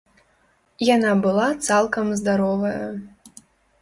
Яна была цалкам здаровая.